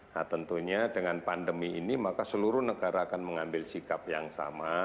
nah tentunya dengan pandemi ini maka seluruh negara akan mengambil sikap yang sama